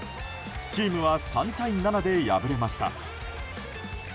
チームは３対７で敗れました。